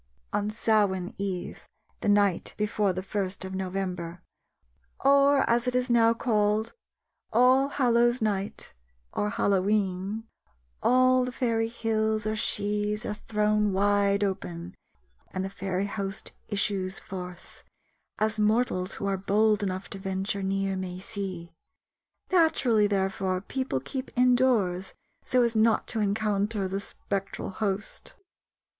On Samain eve, the night before the first of November, or, as it is now called, All Hallows' night or Hallowe'en, all the fairy hills or shees are thrown wide open and the fairy host issues forth, as mortals who are bold enough to venture near may see. Naturally therefore people keep indoors so as not to encounter the spectral host.